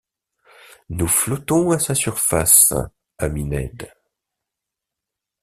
Nous flottons à sa surface, ami Ned.